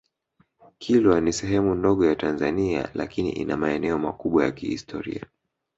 Kilwa ni sehemu ndogo ya Tanzania lakini ina maeneo makubwa ya kihistoria